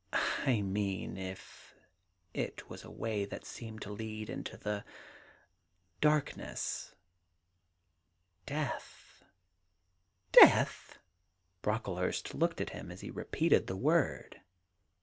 I mean, if it was a way that seemed to lead into the darkness ?— death 1 '^ Death!' Brocklehurst looked at him as he re peated the word.